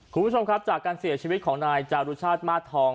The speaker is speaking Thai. คุณผู้ชมครับจากการเสียชีวิตของนายจารุชาติมาสทอง